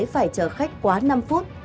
phải chờ khách quá năm phút